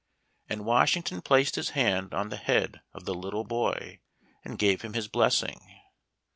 And Washington placed his hand on the head of the little boy and gave him his blessing.